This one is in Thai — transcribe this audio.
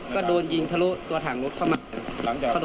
ก็โดนยิงทะลุตัวถังรถเข้ามา